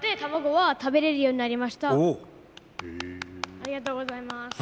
ありがとうございます。